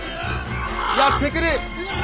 やって来る。